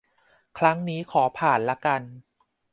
ครั้งนี้ขอผ่านละกัน